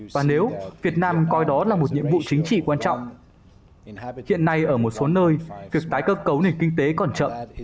và nếu việt nam coi đó là một nhiệm vụ chính trị quan trọng hiện nay ở một số nơi việc tái cơ cấu nền kinh tế còn chậm